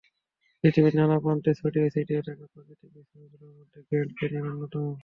পৃথিবীর নানা প্রান্তে ছড়িয়ে ছিটিয়ে থাকা প্রাকৃতিক বিস্ময়গুলোর মধ্যে গ্র্যান্ড ক্যনিয়ন অন্যতম।